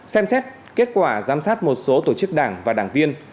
xem xét kết quả giám sát một số tổ chức đảng và đảng viên